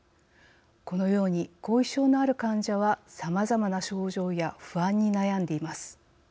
このように後遺症のある患者はさまざまな症状や不安に悩んでいます。